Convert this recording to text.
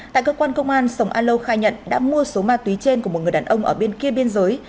tại cơ quan công an sông a lô khai nhận đã mua số ma túy trên của một người đàn ông ở bên kia biên giới